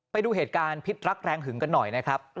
ไปดูเหตุการณ์พิษรักแรงหึงกันหน่อยนะครับ